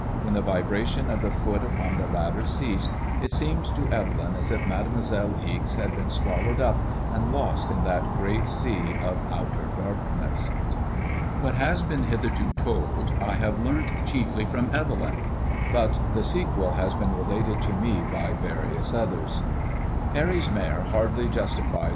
When the vibration of the foot upon the ladder ceased, it seemed to Evelyn as if Mademoiselle Ixe had been swallowed up and lost in that great sea of outer darkness. What has been hitherto told, I have learnt chiefly from Evelyn, I ut the sequel has been related to me by various others. Parry's mare hardly justified MADEMOISBLLE IX£.